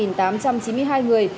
làm chết ba tám trăm chín mươi hai người